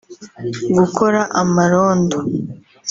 gukora amarondo